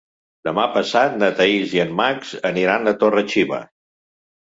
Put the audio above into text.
Demà passat na Thaís i en Max aniran a Torre-xiva.